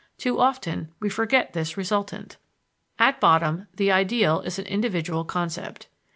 Too often we forget this resultant. At bottom the ideal is an individual concept.